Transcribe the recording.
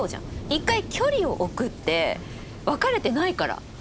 「１回距離を置く」って別れてないから。